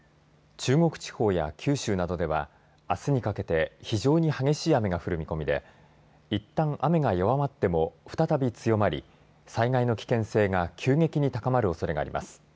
中国地方や九州などではあすにかけて非常に激しい雨が降る見込みでいったん雨が弱まっても再び強まり災害の危険性が急激に高まるおそれがあります。